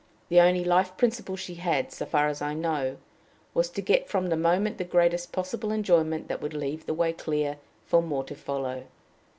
The only life principle she had, so far as I know, was to get from the moment the greatest possible enjoyment that would leave the way clear for more to follow.